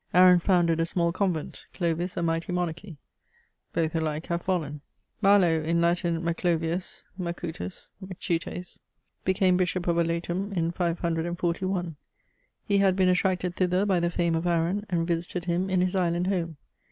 Aaron founded a small convent, Clovis a mighty monarchy ; hoth alike have fallen. Malo, in Latin MaclovinSn Macutus, Machutes, hecame Bishop of Aletum in 541 ; he had heen attracted thither by the fame of Aaron, and visited him in his island home.